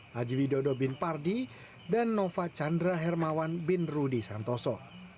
haji widodo bin pardi dan nova chandra hermawan bin rudi santoso